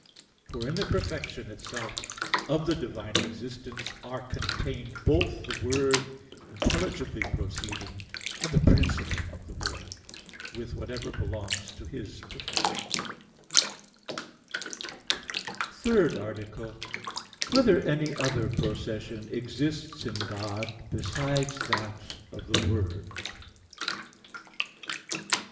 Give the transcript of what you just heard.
For in the perfection itself of the divine existence are contained both the Word intelligibly proceeding and the principle of the Word, with whatever belongs to His perfection (Q. 4, A. 2). _______________________ THIRD ARTICLE [I, Q. 27, Art. 3] Whether Any Other Procession Exists in God Besides That of the Word?